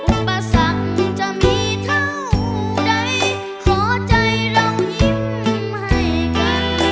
อุปสรรคจึงจะมีเท่าใดขอใจลองยิ้มให้กัน